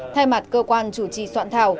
thay mặt cơ quan chủ trì soạn thảo